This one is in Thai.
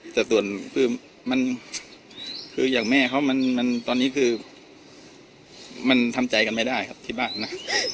แต่ส่วนอย่างแม่เขามันทำใจกันไม่ได้ครับที่บ้านนะ